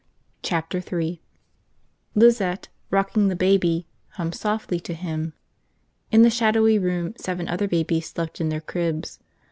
Chapter Three LIZETTE, rocking the baby, hummed softly to him. In the shadowy room seven other babies slept in their cribs.